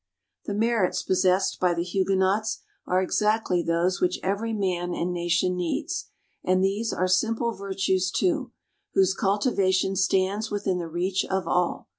The merits possessed by the Huguenots are exactly those which every man and nation needs. And these are simple virtues, too, whose cultivation stands within the reach of all.